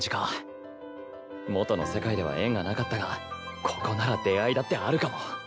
元の世界では縁がなかったがここなら出会いだってあるかも。